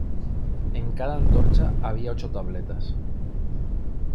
En cada antorcha había ocho tabletas.